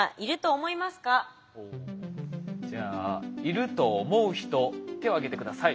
じゃあいると思う人手を挙げて下さい。